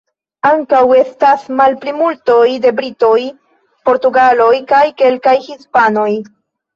Ankaŭ estas malplimultoj de britoj, portugaloj kaj kelkaj hispanoj.